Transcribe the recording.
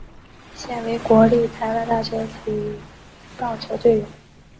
现为国立台湾体育大学棒球队队员。